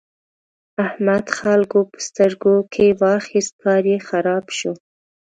احمد خلګو په سترګو کې واخيست؛ کار يې خراب شو.